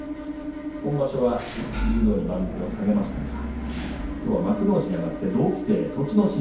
今場所は十両に番付を下げていますがきょうは幕内に上がって同期生の栃ノ